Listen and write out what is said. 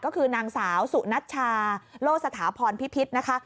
ก็คือนางสาวสุนัชชาโลสถาพรพิพิษนะคะ